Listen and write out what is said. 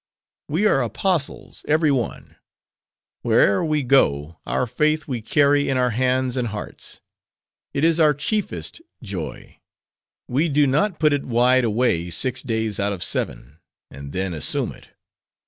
We are apostles, every one. Where'er we go, our faith we carry in our hands, and hearts. It is our chiefest joy. We do not put it wide away six days out of seven; and then, assume it.